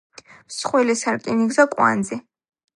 მსხვილი სარკინიგზო კვანძი.